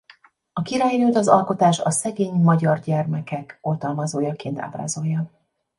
A királynőt az alkotás a szegény magyar gyermekek oltalmazójaként ábrázolja.